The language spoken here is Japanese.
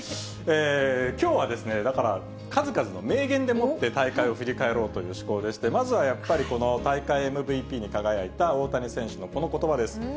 きょうはだから、数々の名言でもって大会を振り返ろうという趣向でして、まずはやっぱりこの大会ＭＶＰに輝いた大谷選手のこのことばです。